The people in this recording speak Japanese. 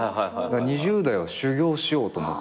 ２０代は修業しようと思って。